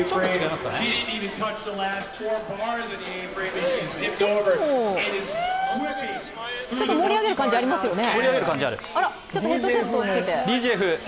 でもちょっと盛り上げる感じありますよね。